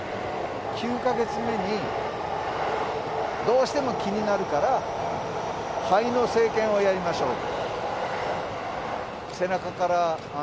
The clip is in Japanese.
９か月目に、どうしても気になるから、肺の生検をやりましょうと。